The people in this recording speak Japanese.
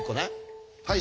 はい。